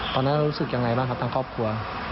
ตอนนั้นรู้สึกยังไงบ้างครับทางครอบครัว